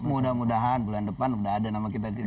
mudah mudahan bulan depan udah ada nama kita di sini